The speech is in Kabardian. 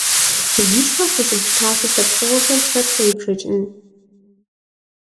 Зи щхьэ хущыт псалъэ лъэпкъыгъуэхэр хэт кърибжэкӏын?